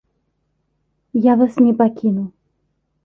Я вас не пакіну.